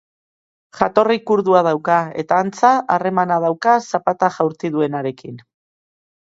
Jatorri kurdua dauka, eta antza, harremana dauka zapata jaurti duenearekin.